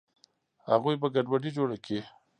اغوئ به ګډوډي جوړه کي.